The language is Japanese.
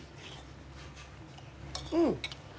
うん。